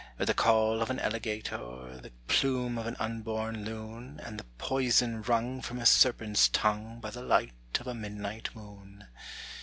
_With the caul of an alligator, The plume of an unborn loon, And the poison wrung From a serpent's tongue By the light of a midnight moon!